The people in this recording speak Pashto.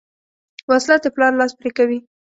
وسله د پلار لاس پرې کوي